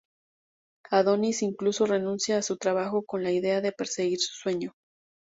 Adonis incluso renuncia a su trabajo con la idea de perseguir su sueño.